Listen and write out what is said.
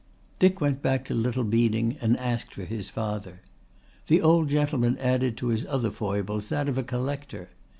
Dick went back to Little Beeding and asked for his father. The old gentleman added to his other foibles that of a collector.